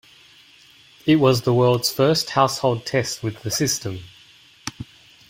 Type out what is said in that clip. It was the world's first household test with the system.